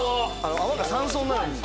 泡が３層になるんです。